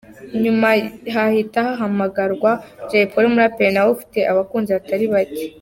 Nyuma hahita hahamagarwa Jay Polly umuraperi nawe ufite abakunzi batari bacye.